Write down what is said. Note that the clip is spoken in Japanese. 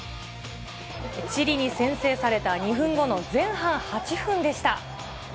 チリに先制された２分後の前半８分でした。